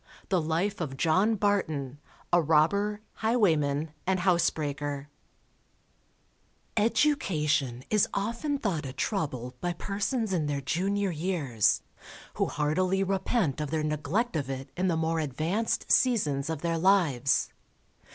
The Life of JOHN BARTON, a Robber, Highwayman and Housebreaker Education is often thought a trouble by persons in their junior years, who heartily repent of their neglect of it in the more advanced seasons of their lives.